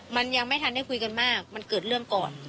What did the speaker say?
มันยังไม่ทันได้คุยกันมากมันเกิดเรื่องก่อน